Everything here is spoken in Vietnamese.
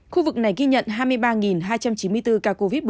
khu vực này ghi nhận hai mươi ba hai trăm chín mươi bốn ca covid một mươi chín